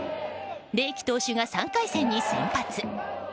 怜希投手が３回戦に先発。